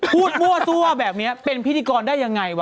มั่วซั่วแบบนี้เป็นพิธีกรได้ยังไงวะ